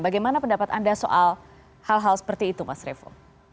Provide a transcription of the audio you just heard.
bagaimana pendapat anda soal hal hal seperti itu mas revo